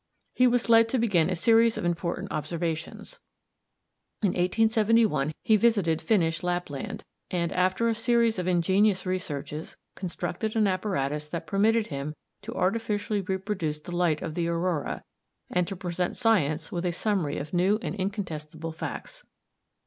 He was led to begin a series of important observations. In 1871 he visited Finnish Lapland, and, after a series of ingenious researches, constructed an apparatus that permitted him to artificially reproduce the light of the aurora, and to present science with a summary of new and incontestable facts.